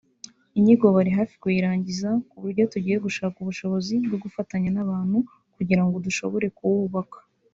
inyigo bari hafi kuyirangiza ku buryo tugiye gushaka ubushobozi bwo gufatanya n’abantu kugira ngo dushobore kuhubaka